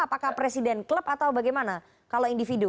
apakah presiden klub atau bagaimana kalau individu